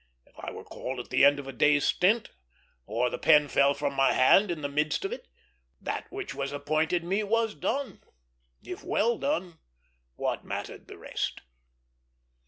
If I were called at the end of a day's stint, or the pen fell from my hand in the midst of it, that which was appointed me was done; if well done, what mattered the rest?